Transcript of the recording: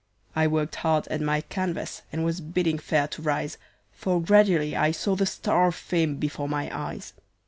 I worked hard at my canvas, and was bidding fair to rise, For gradually I saw the star of fame before my eyes.